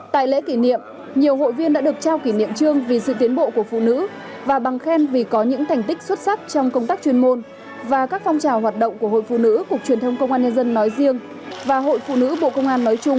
tại lễ kỷ niệm nhiều hội viên đã được trao kỷ niệm trương vì sự tiến bộ của phụ nữ và bằng khen vì có những thành tích xuất sắc trong công tác chuyên môn và các phong trào hoạt động của hội phụ nữ cục truyền thông công an nhân dân nói riêng và hội phụ nữ bộ công an nói chung